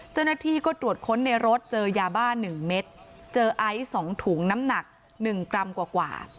เจ้าหน้าที่ก็ตรวจค้นในรถเจอยาบ้า๑เม็ดเจอไอซ์๒ถุงน้ำหนัก๑กรัมกว่า